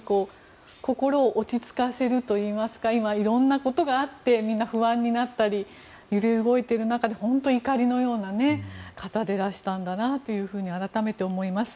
心を落ち着かせるというか今、いろんなことがあってみんな不安になったり揺れ動く中で本当にいかりのような方でいらしたんだなと改めて思います。